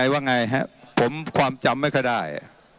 ว่าไงผมความจำไม่เคยได้